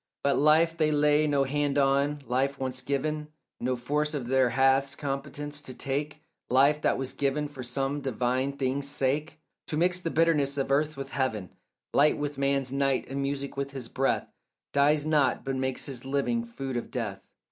But life they lay no hand on; life once given No force of theirs hath competence to take; Life that was given for some divine thing's sake, To mix the bitterness of earth with heaven, Light with man's night, and music with his breath, Dies not, but makes its living food of death.